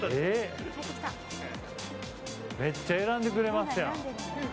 めっちゃ選んでくれますやん。